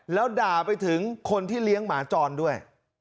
แล้วด่าไปถึงคนที่เลี้ยงหมาจรด้วย